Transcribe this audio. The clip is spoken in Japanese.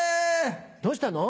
どうしたの？